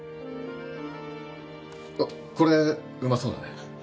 あっこれうまそうだね